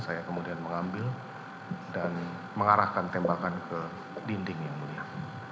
saya kemudian mengambil dan mengarahkan tembakan ke dinding yang mulia